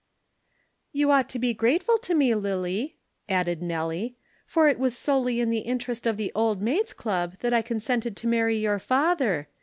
"You ought to be grateful to me, Lillie," added Nelly, "for it was solely in the interest of the Old Maid's Club that I consented to marry your father.